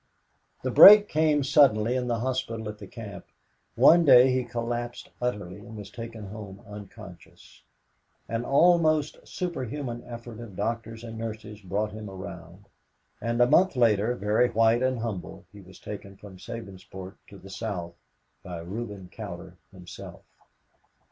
The break came suddenly in the hospital at the camp; one day he collapsed utterly and was taken home unconscious. An almost superhuman effort of doctors and nurses brought him around, and a month later, very white and humble, he was taken from Sabinsport to the South by Reuben Cowder himself.